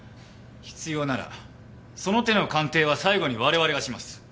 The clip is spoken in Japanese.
必要ならその手の鑑定は最後に我々がします。